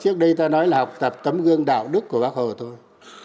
trước đây ta nói là học tập tấm gương đạo đức của bác hồ thôi